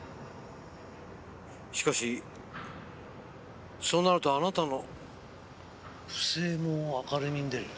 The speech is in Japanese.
しかしそうなるとあなたの不正も明るみに出る。